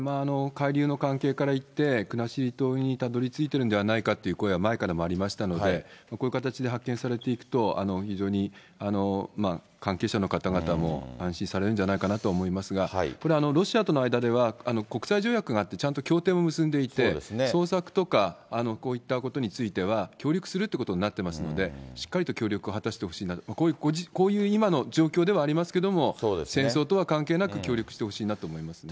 海流の関係からいって、国後島にたどりついているんではないかという声は前からもありましたので、こういう形で発見されていくと、非常に関係者の方々も安心されるんじゃないかなと思いますが、これ、ロシアとの間では国際条約があって、ちゃんと協定を結んでいて、捜索とかこういったことについては、協力するってことになってますので、しっかりと協力を果たしてほしいなと、こういう今の状況ではありますけれども、戦争とは関係なく、協力してほしいなと思いますね。